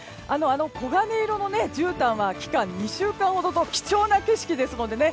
黄金色のじゅうたんは期間２週間ほどと貴重な景色ですのでね。